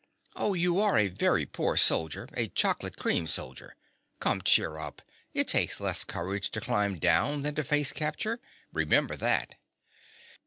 _) Oh, you are a very poor soldier—a chocolate cream soldier. Come, cheer up: it takes less courage to climb down than to face capture—remember that.